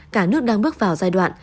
cả nước đang bước vào giai đoạn